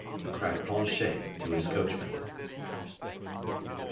cried Planchet to his coachman.